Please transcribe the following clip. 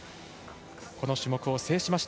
この種目を制しました